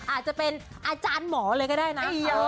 อาจจะเป็นอาจารย์หมอเลยก็ได้นะ